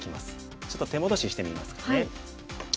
ちょっと手戻ししてみますかね。